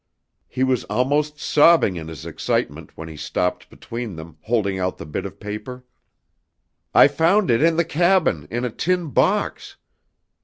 He was almost sobbing in his excitement when he stopped between them, holding out the bit of paper. "I found it in the cabin in a tin box!